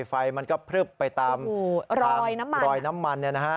ไฟมันก็พลึบไปตามรอยน้ำมันเนี่ยนะฮะ